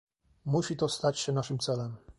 Musi to stać się naszym celem